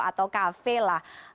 atau kafe lah